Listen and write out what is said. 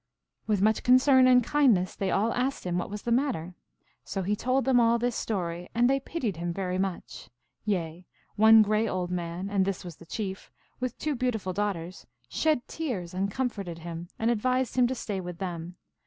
With much con cern and kindness they all asked him what was the matter. So he told them all this story, and they pitied him very much ; yea, one gray old man, and this was the Chief, with two beautiful daughters, shed tears and comforted him, and advised him to stay with them.